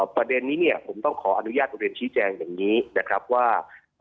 ประเด็นนี้เนี่ยผมต้องขออนุญาตเรียนชี้แจงอย่างนี้นะครับว่า